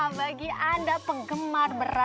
bagi anda penggemar berat